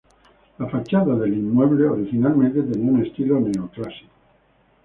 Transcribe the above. La fachada del inmueble originalmente tenía un estilo neoclásico.